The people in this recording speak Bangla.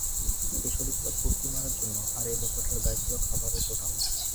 কেসলি ছিল ফূর্তি মারার জন্য আর এই বোকাটার দায় ছিল খাবার জোটানো।